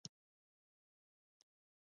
ایا مصنوعي ځیرکتیا د ټولنیز باور ازموینه نه ده؟